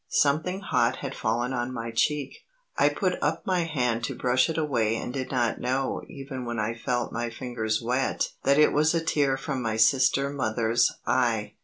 Something hot had fallen on my cheek. I put up my hand to brush it away and did not know even when I felt my fingers wet that it was a tear from my sister mother's eye.